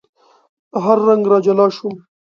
له هر رنګ را جلا شوم